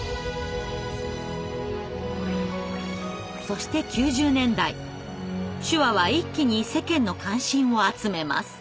そして９０年代手話は一気に世間の関心を集めます。